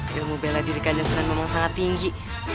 ilmu bela diri kanjeng sunan memang sangat tinggi